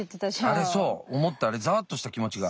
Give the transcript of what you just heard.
あれそう思ったあれざわっとした気持ちが。